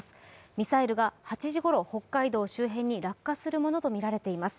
ミサイルが８時ごろ、北海道周辺に落下するものとみられています。